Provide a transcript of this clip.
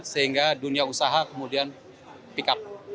sehingga dunia usaha kemudian pick up